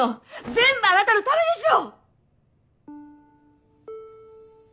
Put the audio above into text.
全部あなたのためでしょ！